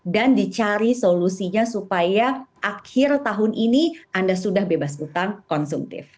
dan dicari solusinya supaya akhir tahun ini anda sudah bebas utang konsumtif